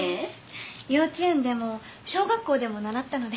幼稚園でも小学校でも習ったので。